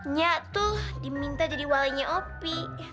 nyak tuh diminta jadi walinya opi